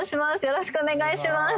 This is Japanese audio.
よろしくお願いします